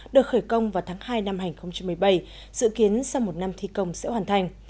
được khởi công vào tháng hai năm hai nghìn một mươi bảy dự kiến sau một năm thi công sẽ hoàn thành